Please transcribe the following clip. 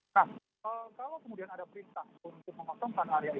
nah kalau kemudian ada perintah untuk mengosongkan area ini